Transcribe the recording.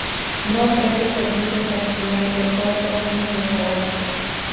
No ofrece servicios de alquiler de toldos ni restaurante.